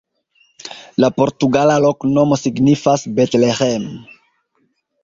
La portugala loknomo signifas: Bet-Leĥem.